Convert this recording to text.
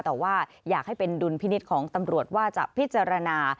แต่ว่าอยากให้เป็นดุลพินิษฐ์ของตำรวจว่าจะพิจารณา